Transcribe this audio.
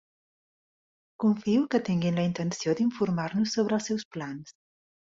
Confio que tinguin la intenció d'informar-nos sobre els seus plans.